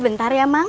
sebentar ya mang